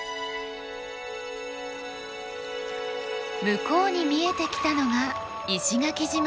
向こうに見えてきたのが石垣島。